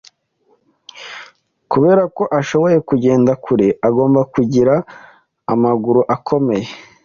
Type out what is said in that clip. Kubera ko yashoboye kugenda kure, agomba kugira amaguru akomeye.